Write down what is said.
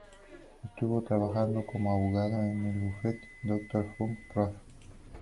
Estuvo trabajando como abogado en el bufete "Dr. Funk, Prof.